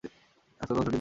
আজকে তোমার ছুটির দিন।